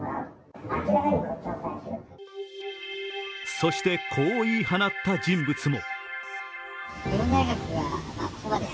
そしてこう言い放った人物も。